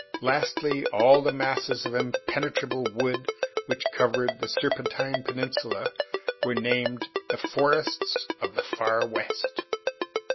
Lastly, all the masses of impenetrable wood which covered the Serpentine Peninsula were named the forests of the Far West.